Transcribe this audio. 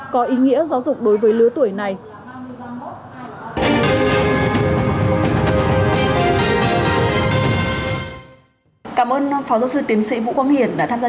có ý nghĩa giáo dục đối với lứa tuổi này cảm ơn phó giáo sư tiến sĩ vũ quang hiển đã tham gia